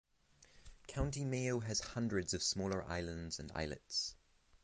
County Mayo has hundreds of smaller islands and islets.